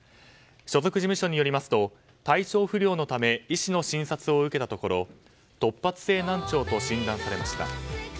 所属事務所によりますと体調不良のため医師の診察を受けたところ突発性難聴と診断されました。